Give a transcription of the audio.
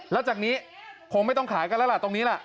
แล้วจากนี้คงไม่ต้องขายกันแล้วล่ะตรงนี้ล่ะ